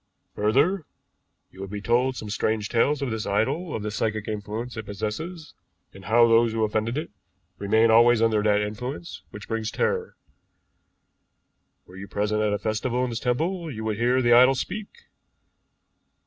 Further, you would be told some strange tales of this idol, of the psychic influence it possesses, and how those who offend it remain always under that influence which brings terror. Were you present at a festival in this temple, you would hear the idol speak.